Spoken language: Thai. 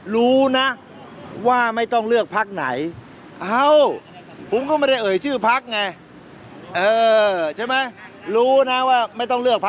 รู้นะอย่าไปเลือกภักด์บ้ากัญชาก็รู้อีกแล้ว